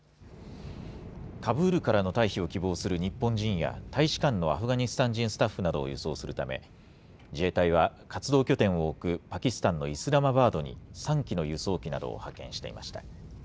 カブールからの退避を希望する日本人や大使館のアフガニスタン人スタッフなどを輸送するため自衛隊は活動拠点を置くパキスタンのイスラマバードに３機の輸送機などを派遣していました。